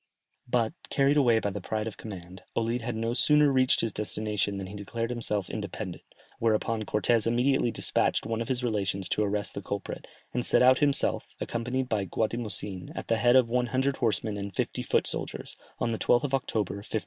But, carried away by the pride of command, Olid had no sooner reached his destination than he declared himself independent, whereupon Cortès immediately despatched one of his relations to arrest the culprit, and set out himself, accompanied by Guatimozin, at the head of one hundred horsemen and fifty foot soldiers, on the 12th of October, 1524.